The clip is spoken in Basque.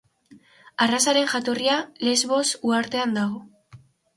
Arrazaren jatorria Lesbos uhartean dago.